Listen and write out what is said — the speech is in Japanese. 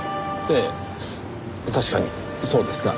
ええ確かにそうですが。